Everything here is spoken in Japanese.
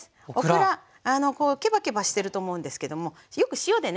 ケバケバしてると思うんですけどもよく塩でね